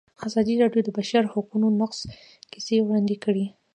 ازادي راډیو د د بشري حقونو نقض کیسې وړاندې کړي.